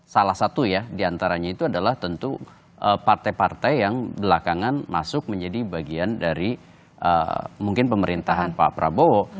salah satu ya diantaranya itu adalah tentu partai partai yang belakangan masuk menjadi bagian dari mungkin pemerintahan pak prabowo